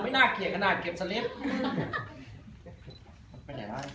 ไม่น่าเขียนขนาดเก็บสลิป